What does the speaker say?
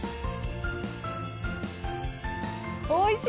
おいしい！